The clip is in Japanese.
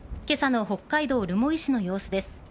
今朝の北海道留萌市の様子です。